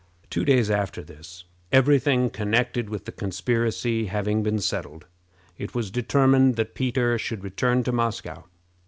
Two days after this every thing connected with the conspiracy having been settled it was determined that Peter should return to Moscow.